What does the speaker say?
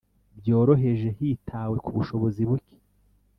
byoroheje hitawe ku bushobozi buke